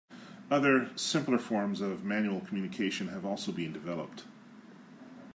Other, simpler forms of manual communication have also been developed.